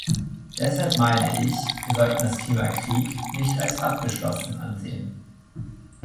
Deshalb meine ich, wir sollten das Thema Krieg nicht als abgeschlossen ansehen.